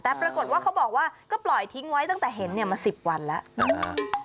แต่ปรากฏว่าเขาบอกว่าก็ปล่อยทิ้งไว้ตั้งแต่เห็นเนี่ยมา๑๐วันแล้ว